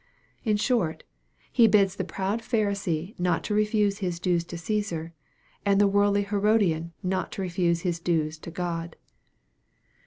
In short, He bids the proud Pharisee not to refuse his dues to Csesar, and the worldly Herodian not to refuse his dues to God.